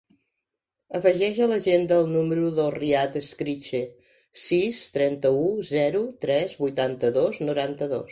Afegeix a l'agenda el número del Riad Escriche: sis, trenta-u, zero, tres, vuitanta-dos, noranta-dos.